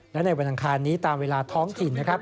และในวันอังคารนี้ตามเวลาท้องถิ่นนะครับ